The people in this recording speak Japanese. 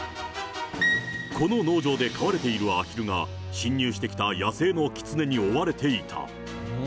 この農場で飼われているアヒルが、進入してきた野生のキツネに追われていた。